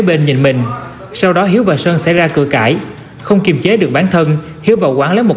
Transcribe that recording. bên nhìn mình sau đó hiếu và sơn xảy ra cười cãi không kiềm chế được bản thân hiếu vào quán lấy một